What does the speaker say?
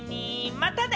またね！